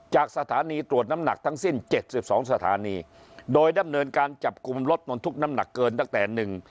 จากสถานีตรวจน้ำหนักทั้งสิ้นเจ็ดสิบสองสถานีโดยดำเนินการจับกลุ่มรถบนทุกน้ำหนักเกินตั้งแต่หนึ่ง